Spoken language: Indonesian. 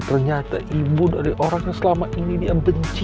ternyata ibu dari orang yang selama ini dia benci